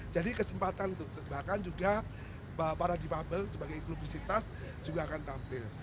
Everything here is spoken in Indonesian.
jadi kesempatan untuk bahkan juga para difabel sebagai inklusifitas juga akan tampil